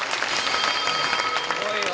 すごいよ。